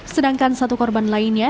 sedangkan satu korban lainnya